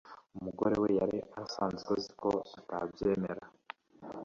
Umugore we yari asanzwe azi ko atabyemera